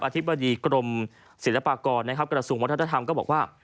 อธิบดีกรมศิลปากรกรสูงวัฒนธรรมก็บอกว่า